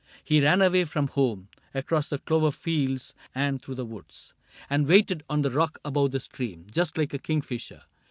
He ran away from home. Across the clover fields and through the woods, CAPTAIN CRAIG 7 And waited on the rock above the stream, Just like a kingfisher.